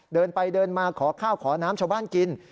เดินไปเดินมาขอข้าวขอน้ำชาวบ้านกิน